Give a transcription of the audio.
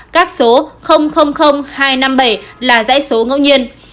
các số hai trăm năm mươi bảy là giải số ngẫu nhiên